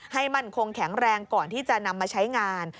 มั่นคงแข็งแรงก่อนที่จะนำมาใช้งาน